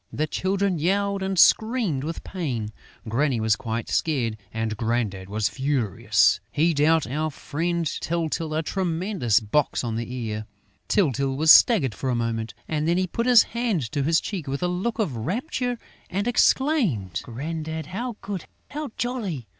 The children yelled and screamed with pain. Granny was quite scared; and Grandad was furious. He dealt our friend Tyltyl a tremendous box on the ear. Tyltyl was staggered for a moment; and then he put his hand to his cheek with a look of rapture and exclaimed: "Grandad, how good, how jolly!